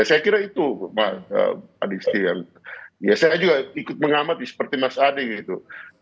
ya saya kira itu pak adisti ya saya juga ikut mengamati seperti mas adi gitu